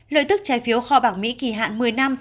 lợi tức trái phiếu kho bạc mỹ kỳ hạn một mươi năm